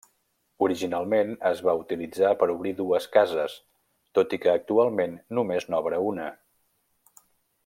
Originalment, es va utilitzar per obrir dues cases, tot i que actualment només n'obre una.